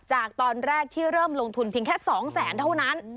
จากตอนแรกที่เริ่มลงทุนเพียงแค่๒แสนเท่านั้น